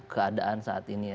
keadaan saat ini ya